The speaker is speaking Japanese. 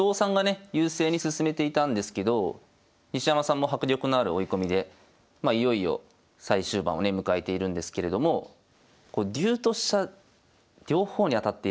優勢に進めていたんですけど西山さんも迫力のある追い込みでいよいよ最終盤をね迎えているんですけれどもこう竜と飛車両方に当たっているので。